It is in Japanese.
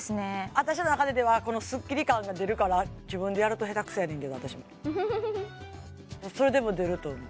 私の中でではこのスッキリ感が出るから自分でやると下手くそやねんけど私もそれでも出ると思う